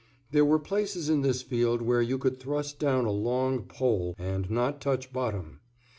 There were places in this field where you could thrust down a long pole and not touch bottom.